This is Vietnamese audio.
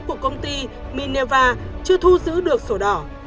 của công ty mineva chưa thu giữ được sổ đỏ